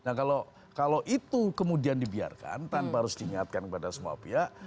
nah kalau itu kemudian dibiarkan tanpa harus diingatkan kepada semua pihak